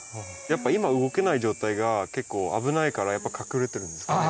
やっぱ今動けない状態が結構危ないからやっぱ隠れてるんですかね。